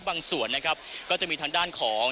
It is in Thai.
ส่วนนะครับก็จะมีทางด้านของ